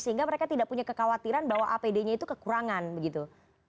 sehingga mereka tidak punya kekhawatiran bahwa apd nya itu kekurangan begitu